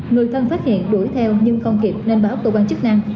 người thân phát hiện đuổi theo nhưng không kịp nên báo ốc tổ quan chức năng